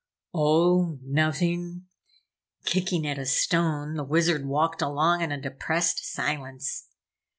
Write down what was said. "Oh nothing!" Kicking at a stone, the Wizard walked along in a depressed silence.